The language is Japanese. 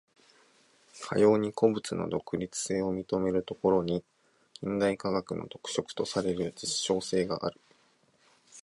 かように個物の独立性を認めるところに、近代科学の特色とされる実証性がある。